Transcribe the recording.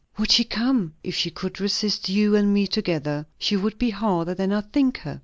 "Would she come?" "If she could resist you and me together, she would be harder than I think her."